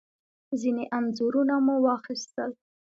ځینې انځورونه مو واخیستل.